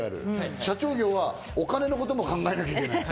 社長業はお金のことも考えなきゃいけない。